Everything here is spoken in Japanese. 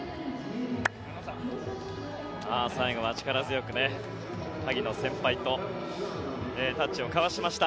最後は力強く萩野先輩とタッチを交わしました。